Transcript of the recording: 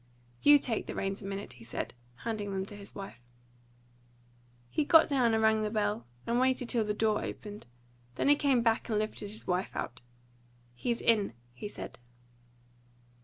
"You take the reins a minute," he said, handing them to his wife. He got down and rang the bell, and waited till the door opened; then he came back and lifted his wife out. "He's in," he said.